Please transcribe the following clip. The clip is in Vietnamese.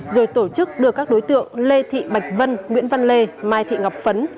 rồi tổ chức đưa các đối tượng lê thị bạch vân nguyễn văn lê mai thị ngọc phấn